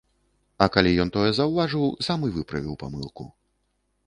А калі ён тое заўважыў, сам і выправіў памылку.